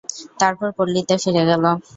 তারপর পল্লীতে ফিরে গেল।